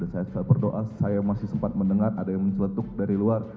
saya berdoa saya masih sempat mendengar ada yang menceletuk dari luar